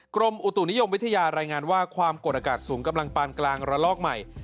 กรมอุตุนิยมวิทยารายงานว่าความกดอากาศสูงกำลังปานกลางระลอกใหม่